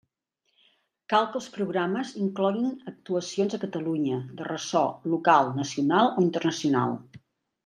Cal que els programes incloguin actuacions a Catalunya de ressò local, nacional o internacional.